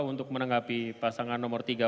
untuk menanggapi pasangan nomor tiga